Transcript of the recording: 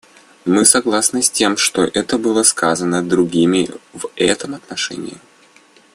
Мы согласны с тем, что было сказано другими в этом отношении.